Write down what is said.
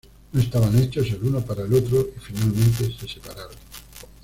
No estaban hechos el uno para el otro y, finalmente, se separaron.